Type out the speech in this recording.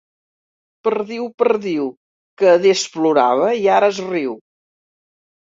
Perdiu, perdiu, que adés plorava i ara es riu.